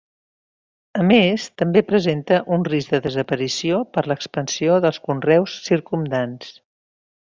A més, també presenta un risc de desaparició per l'expansió dels conreus circumdants.